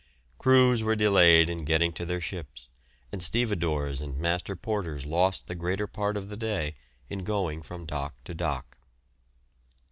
Crews were delayed in getting to their ships, and stevedores and master porters lost the greater part of the day in going from dock to dock.